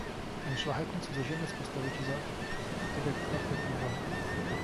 "Ten szlachetny cudzoziemiec postawi ci za fatygę kwartę piwa."